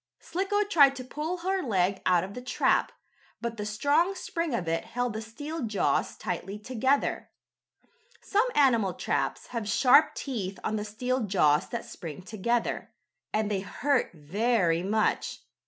Slicko tried to pull her leg out of the trap, but the strong spring of it held the steel jaws tightly together. Some animal traps have sharp teeth on the steel jaws that spring together, and they hurt very much.